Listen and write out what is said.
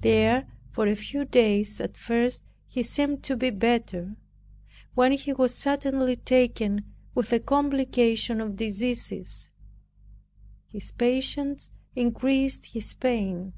There for a few days at first he seemed to be better, when he was suddenly taken with a complication of diseases. His patience increased his pain.